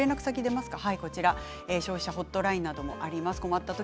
消費者ホットラインなどもあります。